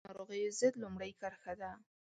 پاکوالی د ناروغیو ضد لومړۍ کرښه ده